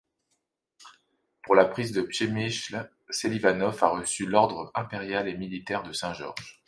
Pour la prise de Przemyśl, Selivanov a reçu l'Ordre impérial et militaire de Saint-Georges.